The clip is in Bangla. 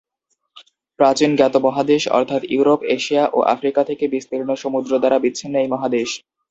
প্রাচীন জ্ঞাত মহাদেশ অর্থাৎ ইউরোপ, এশিয়া ও আফ্রিকা থেকে বিস্তীর্ণ সমুদ্র দ্বারা বিচ্ছিন্ন এই মহাদেশ।